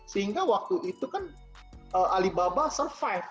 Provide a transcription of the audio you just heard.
sehingga waktu itu kan alibaba survive